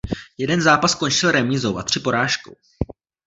Jeden zápas skončil remízou a tři porážkou.